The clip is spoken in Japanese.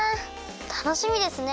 たのしみですね。